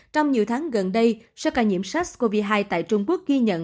trong nhiều tháng gần đây số ca nhiễm sars cov hai tại trung quốc ghi nhận